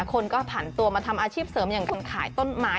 คนก็ผ่านตัวมาทำอาชีพเสริมอย่างการขายต้นไม้